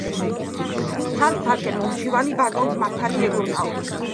ცალ-ცალკე მომჩივანი ბატონს მართალი ეგონაო